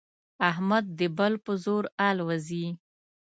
احمد د بل په زور الوزي.